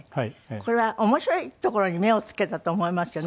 これは面白いところに目を付けたと思いますよね。